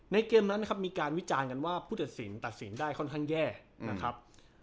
เกมนั้นนะครับมีการวิจารณ์กันว่าผู้ตัดสินตัดสินได้ค่อนข้างแย่นะครับ